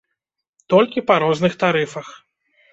Толькі па розных тарыфах.